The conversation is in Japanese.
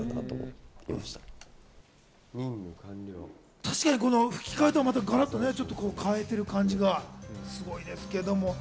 確かに吹き替えとはガラっと変わった感じがすごいですけども。